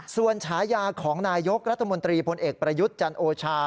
ส่วนฉายาของนายกรัฐมนตรีพลเอกประยุทธ์จันโอชา